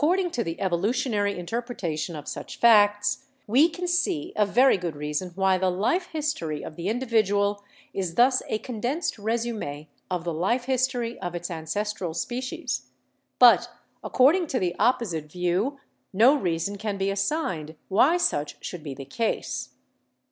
According to the evolu tionary interpretation of such facts, we can see a very good reason why the life history of the individual is thus a condensed 'resume' of the life history of its ances tral species. But according to the opposite view no reason can be assigned why such should be the case."